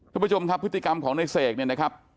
ทุกผู้ชมทัพพฤติกรรมของเนอร์เสก